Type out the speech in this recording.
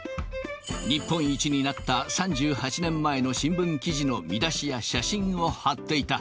日本一になった３８年前の新聞記事の見出しや写真を貼っていた。